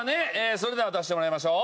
それでは出してもらいましょう。